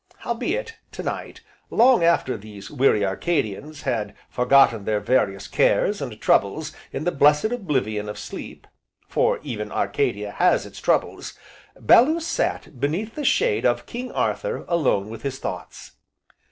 Howbeit, to night, long after these weary Arcadians had forgotten their various cares, and troubles in the blessed oblivion of sleep, (for even Arcadia has its troubles) Bellew sat beneath the shade of "King Arthur" alone with his thoughts.